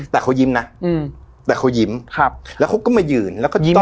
แต่เขายิ้มนะแต่เขายิ้มแล้วเขาก็มายืน